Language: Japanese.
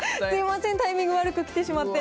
すみません、タイミング悪く来てしまって。